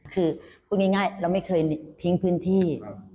คือพวกนี้ง่ายแล้วไม่เคยทิ้งพื้นที่